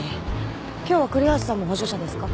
今日は栗橋さんも補助者ですか？